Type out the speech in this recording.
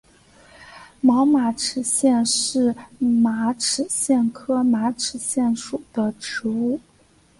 毛马齿苋是马齿苋科马齿苋属的植物。